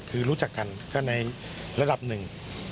คือรู้จักกันก็ในระดับหนึ่ง